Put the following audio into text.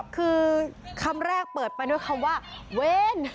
คือคำแรกเปิดไปด้วยคำว่าเวร